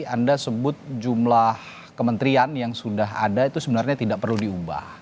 anda sebut jumlah kementerian yang sudah ada itu sebenarnya tidak perlu diubah